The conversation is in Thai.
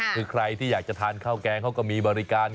คือใครที่อยากจะทานข้าวแกงเขาก็มีบริการ